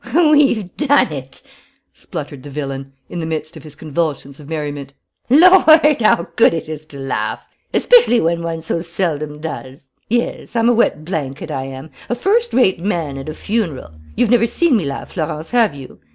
"We've done it!" spluttered the villain, in the midst of his convulsions of merriment. "Lord, how good it is to laugh! Especially when one so seldom does. Yes, I'm a wet blanket, I am; a first rate man at a funeral! You've never seen me laugh, Florence, have you?